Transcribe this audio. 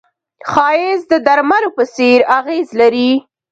ښایست د درملو په څېر اغېز لري